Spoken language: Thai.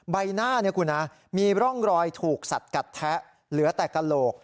ใบหน้ามีร่องรอยถูกสัดกัดแทะเหลือแต่กระโหลก